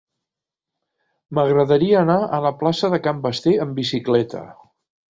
M'agradaria anar a la plaça de Can Basté amb bicicleta.